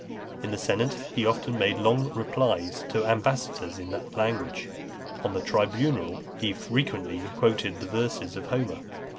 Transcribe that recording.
In the senate he often made long replies to ambassadors in that language. On the tribunal he frequently quoted the verses of Homer.